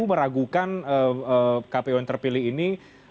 meragukan kpu yang terpilih ini